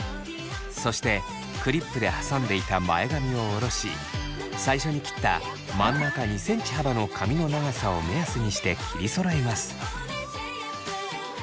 そしてクリップで挟んでいた前髪を下ろし最初に切った真ん中２ｃｍ幅の髪の長さを目安にして切りそろえます。